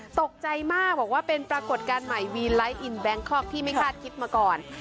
ตกใจมากบอกว่าเป็นปรากฏการณ์ใหม่วีไลท์อินแบงคอกที่ไม่คาดคิดมาก่อน